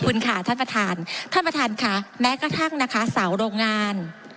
คุณค่ะท่านประธานท่านประธานค่ะแม้กระทั่งนะคะเสาโรงงาน